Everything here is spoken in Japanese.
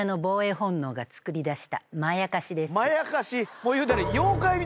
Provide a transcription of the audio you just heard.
もう言うたら。